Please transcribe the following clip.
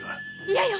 いや！